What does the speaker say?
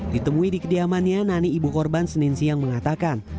ditemui di kediamannya nani ibu korban senin siang mengatakan